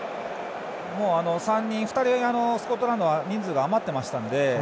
２人、スコットランドは人数が余ってましたので。